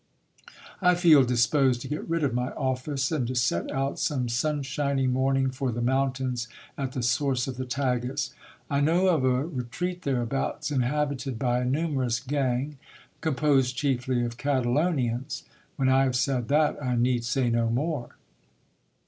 I feel disposed to get rid of my office, and to set out some sunshiny morning for the mountains at the source of the Tagus. I know of a retreat thereabouts, inha bited by a numerous gang, composed chiefly of Catalonians ; when I have said that, I need say no more.